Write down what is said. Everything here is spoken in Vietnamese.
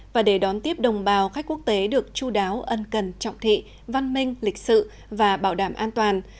và để đón tiếp đồng bào khách quốc tế được chú đáo ân cần trọng thị văn minh lịch sự và bảo đảm an toàn